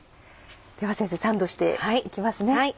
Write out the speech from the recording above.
では先生サンドしていきますね。